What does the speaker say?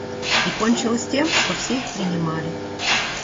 И кончилось тем, что все их принимали.